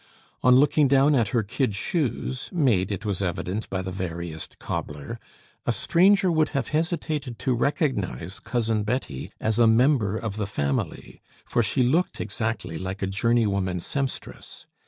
On looking down at her kid shoes, made, it was evident, by the veriest cobbler, a stranger would have hesitated to recognize Cousin Betty as a member of the family, for she looked exactly like a journeywoman sempstress.